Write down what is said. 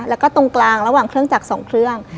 แล้วก็ตรงกลางระหว่างเครื่องจักร๒เครื่อง